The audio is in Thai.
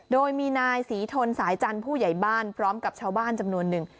โดยมีนายศรีทนสายจันทร์ผู้ใหญ่บ้านพร้อมกับชาวบ้านจำนวนหนึ่ง